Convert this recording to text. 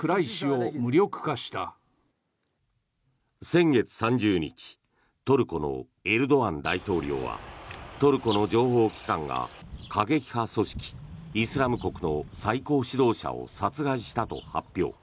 先月３０日トルコのエルドアン大統領はトルコの情報機関が過激派組織イスラム国の最高指導者を殺害したと発表。